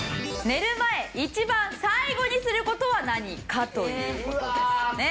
寝る前一番最後にする事は何か？という事ですね。